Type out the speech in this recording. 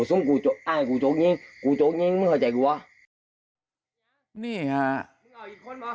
ซึ่งกูอ้าวกูจกยิงกูจกยิงมึงเข้าใจกูวะนี่ฮะมึงเอาอีกคนป่ะ